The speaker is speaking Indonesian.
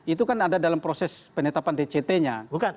itu kan ada dalam proses penetapan dct nya